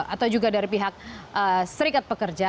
atau juga dari pihak serikat pekerja